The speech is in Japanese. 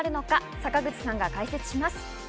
坂口さんが解説します。